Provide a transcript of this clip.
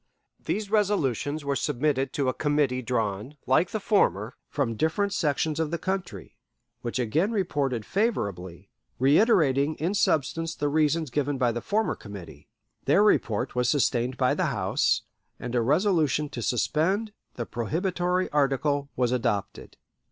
These resolutions were submitted to a committee drawn, like the former, from different sections of the country, which again reported favorably, reiterating in substance the reasons given by the former committee. Their report was sustained by the House, and a resolution to suspend the prohibitory article was adopted.